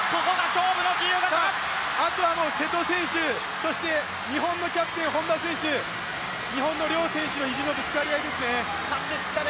あとは瀬戸選手、日本のキャプテン本多選手、日本の両選手の意地のぶつかり合いですね。